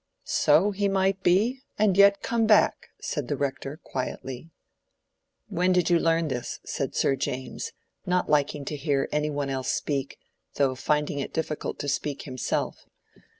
"So he might be, and yet come back," said the Rector, quietly. "When did you learn this?" said Sir James, not liking to hear any one else speak, though finding it difficult to speak himself.